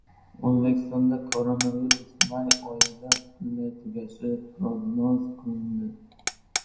O‘zbekistonda koronavirus may oyida butunlay tugashi prognoz qilindi